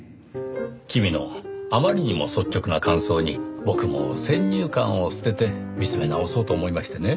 君のあまりにも率直な感想に僕も先入観を捨てて見つめ直そうと思いましてね。